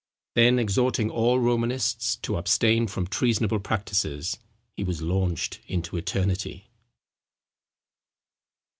Then exhorting all Romanists to abstain from treasonable practices, he was launched into eternity.